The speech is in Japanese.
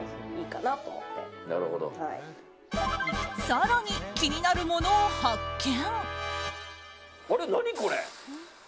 更に気になるものを発見。